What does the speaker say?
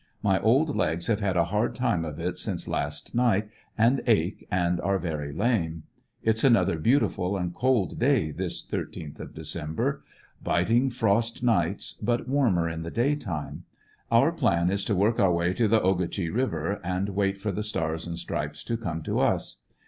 My old legs have had a hard time of it since last night and ache, and are very lame. It's another beauti ful and cold day, this 13tli of December. Biting frost nights, but warmer in the day time. Our plan is to work our way to the Oge chee River, and wait for the Stars and Stripes to come to us.